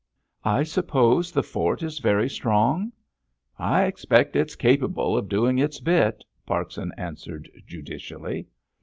"I suppose the fort is very strong?" "I expect it's capable of doing its bit," Parkson answered judicially.